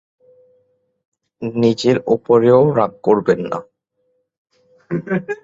নিজের ওপরেও রাগ করবেন না।